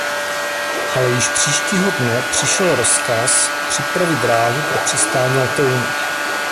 Ale již příštího dne přišel rozkaz připravit dráhu pro přistání letounu.